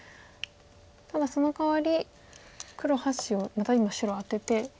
ただそのかわり黒８子をまた今白アテてちょっと団子に。